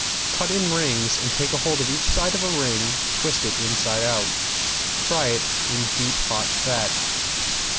Cut in rings and taking hold of each side of a ring twist it inside out. Fry in deep hot fat.